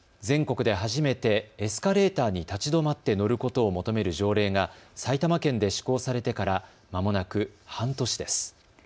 全国で初めてエスカレーターに立ち止まって乗ることを求める条例が埼玉県で施行されてからまもなく半年です。